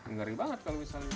ngeri banget kalau misalnya